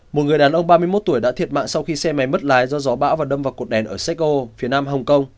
một người đàn ông ba mươi một tuổi đã thiệt mạng sau khi xe máy mất lái do gió bão và đâm vào cột đèn ở sheko phía nam hồng kông